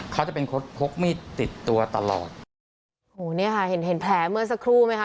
เขาจะเป็นคนพกมีดติดตัวตลอดโอ้โหเนี่ยค่ะเห็นเห็นแผลเมื่อสักครู่ไหมคะ